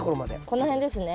この辺ですね。